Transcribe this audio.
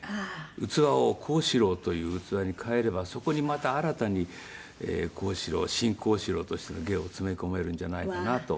器を幸四郎という器に替えればそこにまた新たに幸四郎新幸四郎としての芸を詰め込めるんじゃないかなと。